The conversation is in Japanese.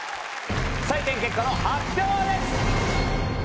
採点結果の発表です！